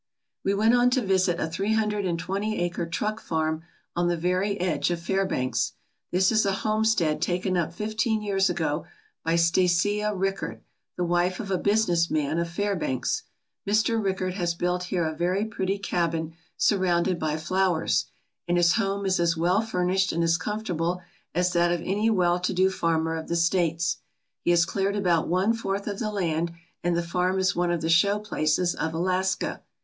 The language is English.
We went on to visit a three hundred and twenty acre truck farm on the very edge of Fairbanks. This is a homestead taken up fifteen years ago by Stacia Rickert, the wife of a business man of Fairbanks. Mr. Rickert has built here a very pretty cabin surrounded by flowers, and his home is as well furnished and as comfortable as that of any well to do fanner of the States. He has cleared about one fourth of the land, and the farm is one of the show places of Alaska.